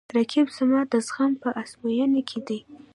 رقیب زما د زغم په ازموینه کې دی